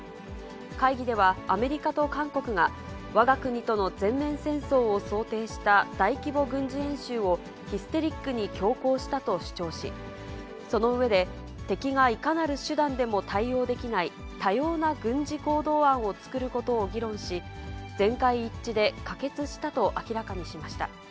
会議ではアメリカと韓国が、わが国との全面戦争を想定した大規模軍事演習をヒステリックに強行したと主張し、その上で、敵がいかなる手段でも対応できない、多様な軍事行動案を作ることを議論し、全会一致で可決したと明らかにしました。